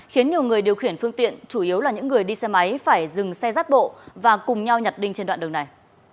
khiến nhiều người điều khiển phương tiện chủ yếu là những người đi xe máy phải dừng xe rát bộ và cùng nhau nhặt đinh trên đoạn đường này